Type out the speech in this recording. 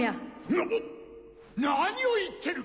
なっ⁉何を言ってる！